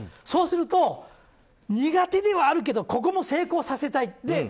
そうすると、苦手ではあるけれどここも成功させたいって。